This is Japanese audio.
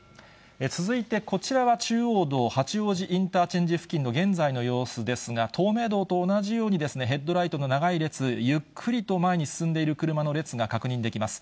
続いてこちらは中央道八王子インターチェンジ付近の現在の様子ですが、東名道と同じように、ヘッドライトの長い列、ゆっくりと前に進んでいる車の列が確認できます。